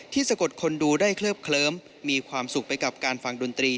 สะกดคนดูได้เคลิบเคลิ้มมีความสุขไปกับการฟังดนตรี